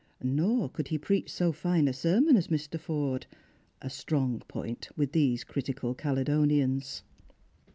Nor could he preach so fine a sermon as Mr. Forde; a strong jjoint with these critical Caledonians.